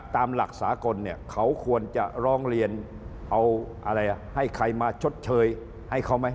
ตามหลักสากลเนี่ยเขาควรจะร้องเรียนเอาอะไรให้ใครมาชดเชยให้เขาไหม